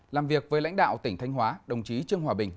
làm việc với lãnh đạo tỉnh thanh hóa đồng chí trương hòa bình